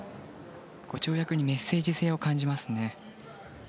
跳躍にメッセージ性を感じますね。